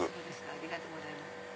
ありがとうございます。